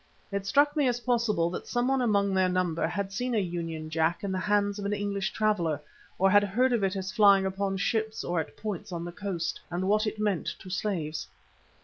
It struck me as possible that someone among their number had seen a Union Jack in the hands of an English traveller, or had heard of it as flying upon ships or at points on the coast, and what it meant to slaves.